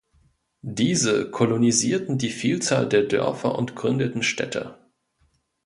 Diese kolonisierten die Vielzahl der Dörfer und gründeten Städte.